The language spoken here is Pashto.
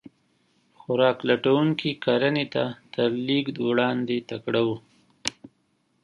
خوراک لټونکي کرنې ته تر لېږد وړاندې تکړه وو.